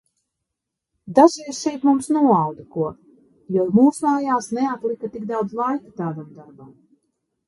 Dažreiz šeit mums noauda ko, jo mūsmājās neatlika tik daudz laika tādam darbam.